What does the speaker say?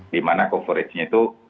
dimana coverage nya itu